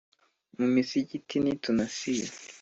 mu misigiti ntitunasiba,